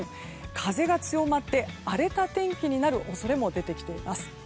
風が強まって荒れた天気になる恐れも出てきています。